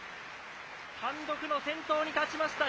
単独の先頭に立ちました。